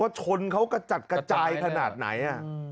ว่าชนเค้ากระจัดกระจายขนาดไหนอ่ะ